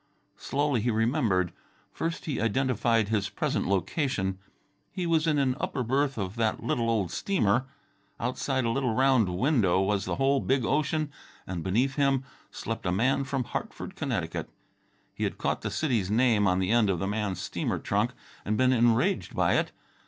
Slowly he remembered. First he identified his present location. He was in an upper berth of that little old steamer. Outside a little round window was the whole big ocean and beneath him slept a man from Hartford, Conn. He had caught the city's name on the end of the man's steamer trunk and been enraged by it.